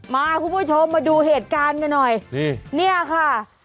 คุณผู้ชมมาดูเหตุการณ์กันหน่อยนี่เนี่ยค่ะ